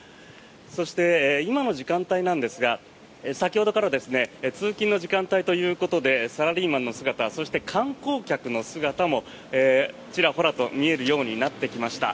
そして、今の時間帯なんですが先ほどから通勤の時間帯ということでサラリーマンの姿そして、観光客の姿もちらほらと見えるようになってきました。